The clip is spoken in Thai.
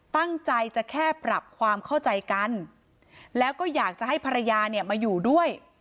ตั้งใจจะแค่ปรับความเข้าใจกันแล้วก็อยากจะให้ภรรยาเนี่ยมาอยู่ด้วย